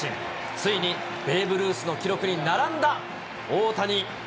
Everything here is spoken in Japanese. ついにベーブ・ルースの記録に並んだ大谷。